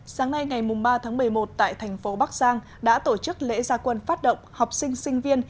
sáng nay ngày ba tháng một mươi một tại thành phố bắc giang đã tổ chức lễ gia quân phát động học sinh sinh viên